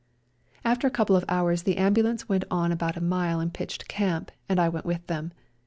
After a couple of hours the ambulance went on about a mile and pitched camp, and I went with them.